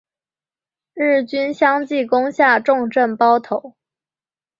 日军相继攻下重镇包头。